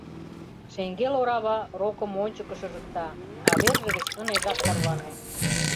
Шеҥгел орава рокым ончыко шыжыкта, а верже гыч ынежак тарване.